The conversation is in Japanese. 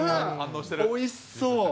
おいしそう。